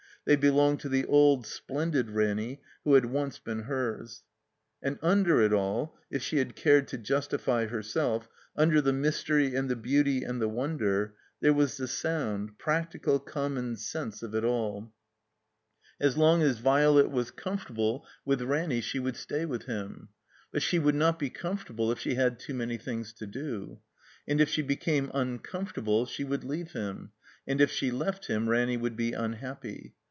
They belonged to the old splenflid Ranny who had once been hers. And tmder it all (if she had cared to justify her self), under the mystery and the beauty and the wonder, there was the sound, practical common sense of it all. As long as Violet was cotciotteCcAa ^^w^fi£^ 225 THE COMBINED MAZE Ranny she would stay with him. But she wovild not be comfortable if she had too many things to do; and if she became uncomfortable ^e would leave him; and if she left him Ranny would be unhappy.